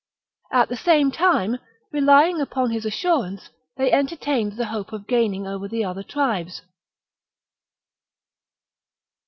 At the same time, relying upon his assurance, they entertained the hope of gaining over the other tribes.